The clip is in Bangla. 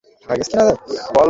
দিদি, আমার একটা ছবি তুলো।